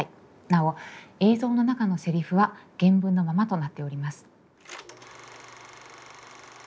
なお映像の中のセリフは原文のままとなっております。